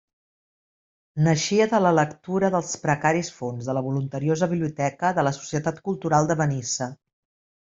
Naixia de la lectura dels precaris fons de la voluntariosa biblioteca de la Societat Cultural de Benissa.